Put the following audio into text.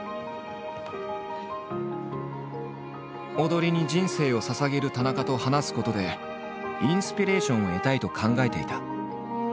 踊りに人生をささげる田中と話すことでインスピレーションを得たいと考えていた。